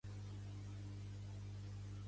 Si no es ven llet de dona perquè es ven la de cabra?